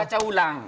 aku mau baca ulang